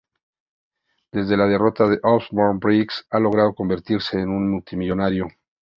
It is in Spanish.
Desde la derrota de Osborn, Briggs ha logrado convertirse en un multimillonario.